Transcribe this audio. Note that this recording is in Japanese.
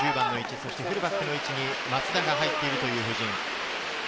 そしてフルバックの位置に松田が入っているという布陣。